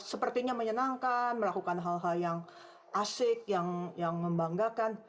sepertinya menyenangkan melakukan hal hal yang asik yang membanggakan